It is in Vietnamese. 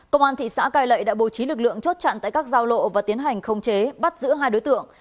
công an thị xã cai lệ đã bố trí lực lượng chốt chặn tại các giao lộ và tiến hành không chế bắt giữ hai đối tượng